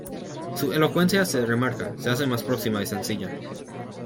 Su elocuencia se remarca, se hace más próxima y sencilla.